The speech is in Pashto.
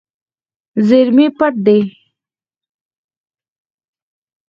زیرمې پټ دي.